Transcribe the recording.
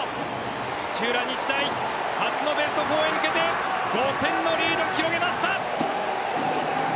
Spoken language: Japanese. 土浦日大、初のベスト４へ向けて５点のリードを広げました。